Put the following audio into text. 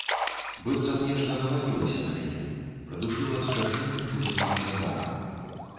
Быццам нешта навалілася на мяне, прыдушыла страшэнным, жудасным цяжарам.